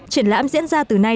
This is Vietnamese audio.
triển lãm diễn ra từ nay